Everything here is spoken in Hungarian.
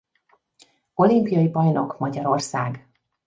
Olimpiai bajnok Magyarország!